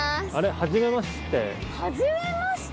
はじめまして。